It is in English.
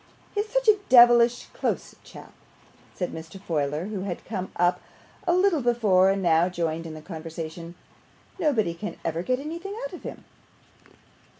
'He is such a devilish close chap,' said Mr. Folair, who had come up a little before, and now joined in the conversation. 'Nobody can ever get anything out of him.